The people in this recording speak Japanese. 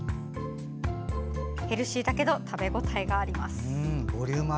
ヘルシーだけど食べ応えがあります。